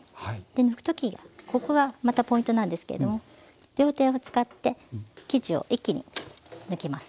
抜くときがここがまたポイントなんですけれども両手を使って生地を一気に抜きます。